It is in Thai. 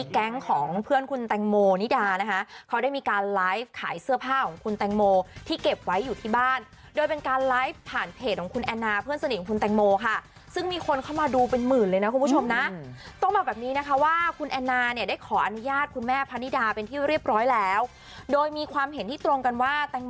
แก๊งของเพื่อนคุณแตงโมนิดานะคะเขาได้มีการไลฟ์ขายเสื้อผ้าของคุณแตงโมที่เก็บไว้อยู่ที่บ้านโดยเป็นการไลฟ์ผ่านเพจของคุณแอนนาเพื่อนสนิทของคุณแตงโมค่ะซึ่งมีคนเข้ามาดูเป็นหมื่นเลยนะคุณผู้ชมนะต้องบอกแบบนี้นะคะว่าคุณแอนนาเนี่ยได้ขออนุญาตคุณแม่พะนิดาเป็นที่เรียบร้อยแล้วโดยมีความเห็นที่ตรงกันว่าแตงโม